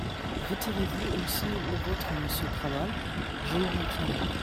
Retirez-vous aussi le vôtre, monsieur Krabal ? Je le maintiens.